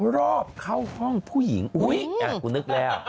รอบเข้าห้องผู้หญิงอุ๊ยคุณนึกแล้ว